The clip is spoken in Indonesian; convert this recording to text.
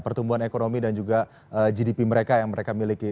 pertumbuhan ekonomi dan juga gdp mereka yang mereka miliki